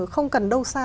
không cần đâu xa